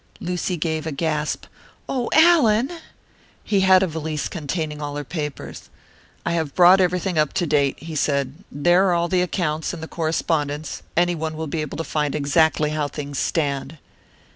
Lucy gave a gasp: "Oh, Allan!" He had a valise containing all her papers. "I have brought everything up to date," he said. "There are all the accounts, and the correspondence. Anyone will be able to find exactly how things stand."